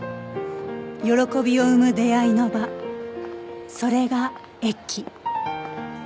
喜びを生む出会いの場それが駅